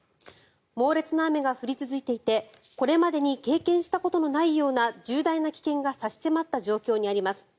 猛烈な雨が降り続いていてこれまでに経験したことがないような重大な危険が差し迫った状況にあります。